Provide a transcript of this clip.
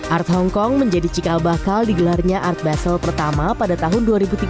art hongkong menjadi cikal bakal digelarnya art basel pertama pada tahun dua ribu tiga belas